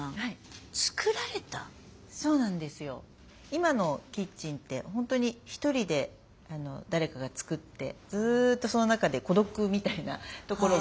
今のキッチンって本当に一人で誰かが作ってずっとその中で孤独みたいなところがあるんですけど。